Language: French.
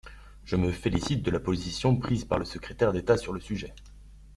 Je me félicite de la position prise par le secrétaire d’État sur le sujet.